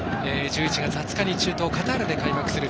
１１月２０日に中東カタールで開幕するＦＩＦＡ